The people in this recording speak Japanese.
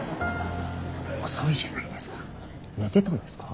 遅いじゃないですか。